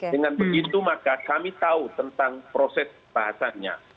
dengan begitu maka kami tahu tentang proses pembahasannya